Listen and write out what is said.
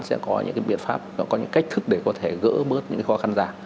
sẽ có những biện pháp có những cách thức để có thể gỡ bớt những khó khăn ra